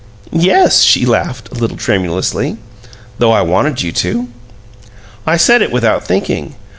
"Yes." She laughed, a little tremuously. "Though I wanted you to!" "I said it without thinking.